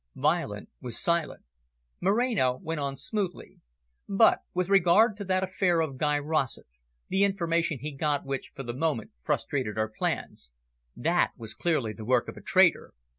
Violet was silent. Moreno went on smoothly. "But with regard to that affair of Guy Rossett, the information he got which, for the moment, frustrated our plans that was clearly the work of a traitor.